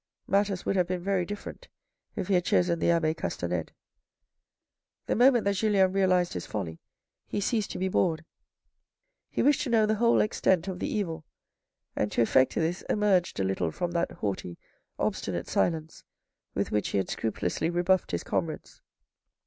Matters would have been very different if he had chosen the abbe Castanede. The moment that Julien realised his folly, he ceased to be bored. He wished to know the whole extent of the evil, and to effect this emerged a little from that haughty obstinate silence with which he had scrupulously rebuffed his comrades.